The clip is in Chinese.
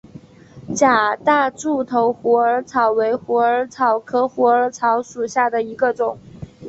假大柱头虎耳草为虎耳草科虎耳草属下的一个种。